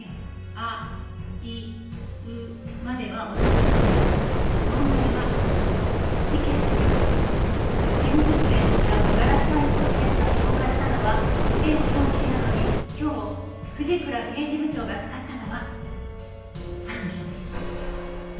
アイウまでは同じですが問題はここ。事件の夜事務机の裏のガラスパイプを示すために置かれたのはエの標識なのに今日藤倉刑事部長が使ったのはサの標識。